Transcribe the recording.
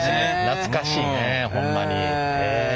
懐かしいねホンマに。